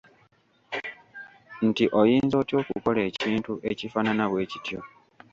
Nti oyinza otya okukola ekintu ekifaanana bwekityo?